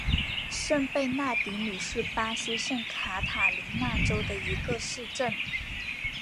圣贝纳迪努是巴西圣卡塔琳娜州的一个市镇。